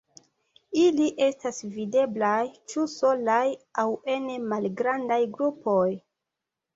Ili estas videblaj ĉu solaj aŭ en malgrandaj grupoj.